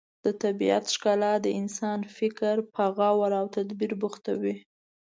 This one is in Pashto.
د طبیعت ښکلا د انسان فکر په غور او تدبر بوختوي.